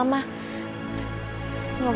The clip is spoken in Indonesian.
terima kasih banyak ya sayang